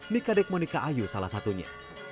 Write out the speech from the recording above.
nikadek monika ayu salah satunya